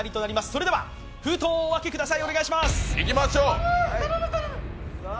それでは封筒をお開けください。